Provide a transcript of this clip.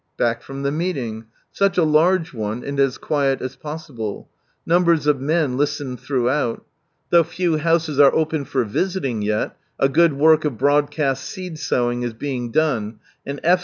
... Back from the meeting. Such a large one, and as quiet as possible. Numbers of men listened throughout Though few houses are open for visiting yet, a good work of broad cast seed sowing is being done, and F.